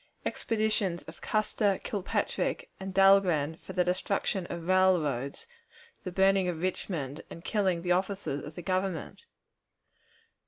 Expeditions of Custer, Kilpatrick, and Dahlgren for the Destruction of Railroads, the Burning of Richmond, and Killing the Officers of the Government.